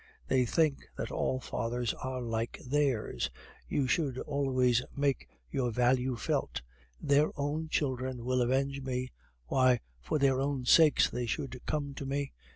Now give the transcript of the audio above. They think that all fathers are like theirs. You should always make your value felt. Their own children will avenge me. Why, for their own sakes they should come to me!